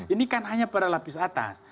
ini kan hanya pada lapis atas